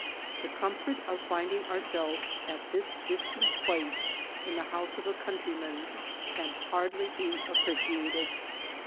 The comfort of finding ourselves at this distant place in the house of a countryman can hardly be appreciated.